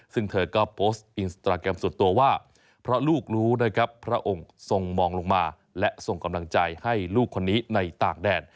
ซึ่งเธอก็โพสต์อินสตราแกรมส่วนตัวว่าเพราะลูกรู้นะครับพระองค์ทรงมองลงมาและส่งกำลังใจให้ลูกคนนี้ในต่างแดน